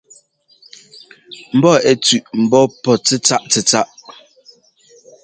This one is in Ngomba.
Mbɔ ɛ́ tsʉ̄ꞌ ḿbɔ́ pɔ́ tsɛ́tsáꞌ tsɛ́tsáꞌ.